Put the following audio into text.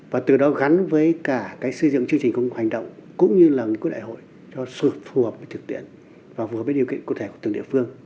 và từ đó gắn với cả xây dựng chương trình công hành động cũng như lần cuối đại hội cho sự phù hợp với thực tiễn và phù hợp với điều kiện cụ thể của từng địa phương